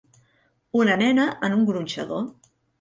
Una nena en un gronxador.